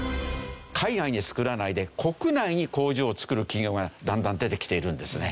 海外に作らないで国内に工場を作る企業がだんだん出てきているんですね。